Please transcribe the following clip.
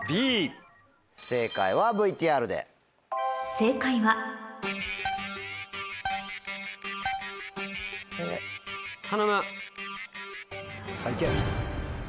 正解は頼む。